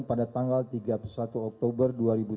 pada tanggal tiga puluh satu oktober dua ribu tujuh belas